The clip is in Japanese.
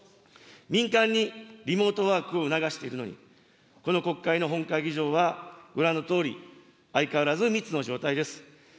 民間にリモートワークを促しているのに、この国会の本会議場は、ご覧のとおり、相変わらず密の状態です。